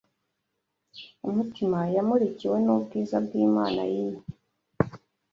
umutima yamurikiwe n’ubwiza bw’Imana year